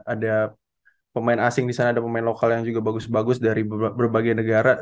ada pemain asing di sana ada pemain lokal yang juga bagus bagus dari berbagai negara